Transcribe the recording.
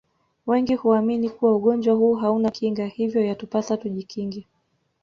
Wengi huamini kuwa ugonjwa huu hauna Kinga hivyo yatupasa tujikinge